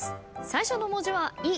最初の文字は「い」